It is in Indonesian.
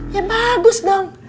ya bagus dong